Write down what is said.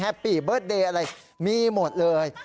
ปีเบิร์ตเดย์อะไรมีหมดเลย